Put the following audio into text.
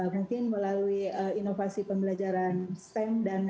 mungkin melalui inovasi pembelajaran stem dan computational thinking ini